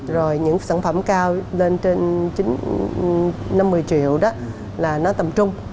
rồi những sản phẩm cao lên trên năm mươi triệu đó là nó tầm trung